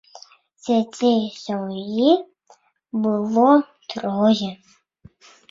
Дзяцей у сям'і было трое.